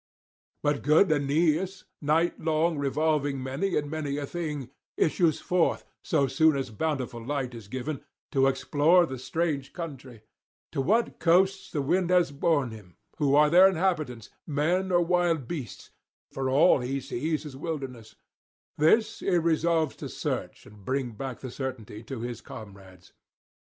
But good Aeneas, nightlong revolving many and many a thing, issues forth, so soon as bountiful light is given, to explore the strange country; to what coasts the wind has borne him, who are their habitants, men or wild beasts, for all he sees is wilderness; this he resolves to search, and bring back the certainty to his comrades.